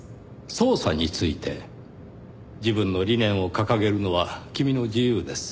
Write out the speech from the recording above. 捜査について自分の理念を掲げるのは君の自由です。